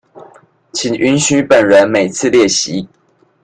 請允許本人每次列席